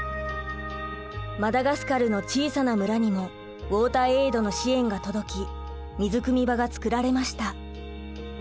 マダガスカルの小さな村にもウォーターエイドの支援が届き水くみ場が作られました。